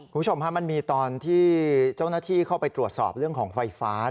คุณผู้ชมฮะมันมีตอนที่เจ้าหน้าที่เข้าไปตรวจสอบเรื่องของไฟฟ้า